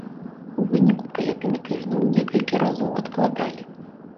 У выніку паядынак ізноў некалькі разоў адкладалі.